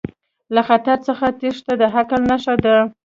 له خطر څخه تیښته د عقل نښه ده.